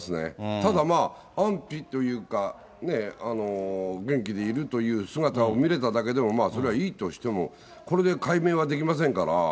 ただ、安否というか、ね、元気でいるという姿を見れただけでも、まあそれはいいとしても、これで解明はできませんから。